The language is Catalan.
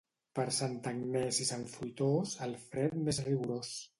Per Santa Agnès i Sant Fruitós, el fred més rigorós.